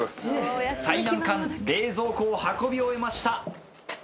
最難関冷蔵庫を運び終えました。